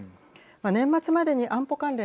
年末までに安保関連